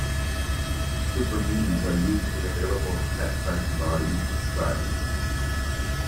Superminis are usually available in hatchback body styles.